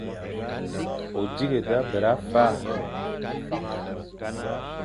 O dighé da bera fa.